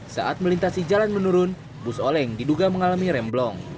saat melintasi jalan menurun bus oleng diduga mengalami remblong